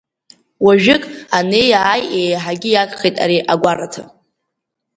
Уажәык, анеи-ааи еиҳагьы иагхеит ари агәараҭа.